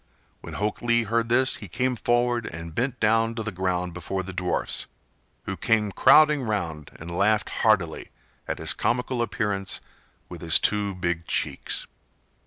When Hok Lee heard this he came forward and bent down to the ground before the dwarfs, who came crowding round and laughed heartily at his comical appearance with his two big cheeks.